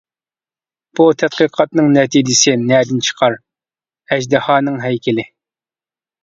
بۇ تەتقىقاتنىڭ نەتىجىسى نەدىن چىقار؟ ئەجدىھانىڭ ھەيكىلى.